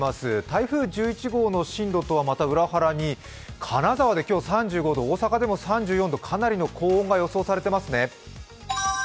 台風１１号の進路とはまた裏腹に金沢で今日、３５度、大阪でも３４度、かなりの高温が予想されていますね。